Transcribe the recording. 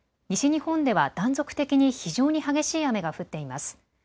西日本では断続的に非常に激しい雨が降っています。